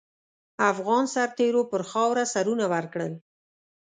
افغان سرتېرو پر خاوره سرونه ورکړل.